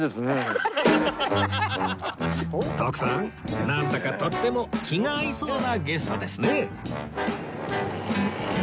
徳さんなんだかとっても気が合いそうなゲストですね